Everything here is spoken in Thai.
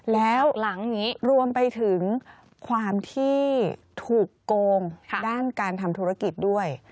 แล้วหลังนี้รวมไปถึงความที่ถูกโกงด้านการทำธุรกิจด้วย